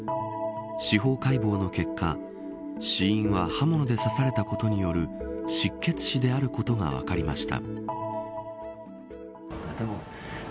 司法解剖の結果死因は刃物で刺されたことによる失血死であることが分かりました。